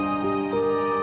semua orang mulai men